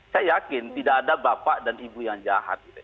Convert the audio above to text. saya yakin tidak ada bapak dan ibu yang jahat